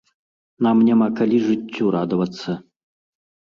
Нам няма калі жыццю радавацца.